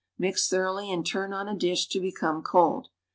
Mix thoroughly and turn on a dish to become cold.